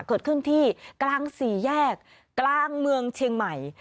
เกิดเครื่องที่กลางศรีแยกกลางเมืองเชียงใหม่